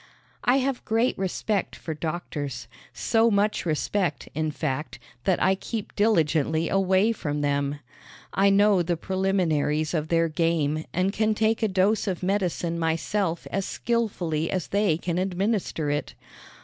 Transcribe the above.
I have great respect for doctors so much respect, in fact, that I keep diligently away from them. I know the preliminaries of their game and can take a dose of medicine myself as skillfully as they can administer it.